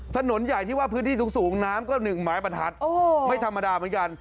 ถนนใหญ่ที่ว่าพื้นที่สูงน้ำก็๑ไม้บรรทัดไม่ธรรมดาเหมือนกัน